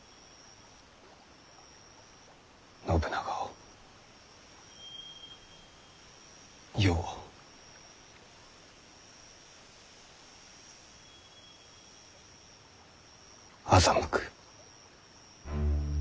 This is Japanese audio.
信長を世を欺く。